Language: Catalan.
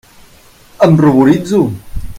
Em ruboritzo.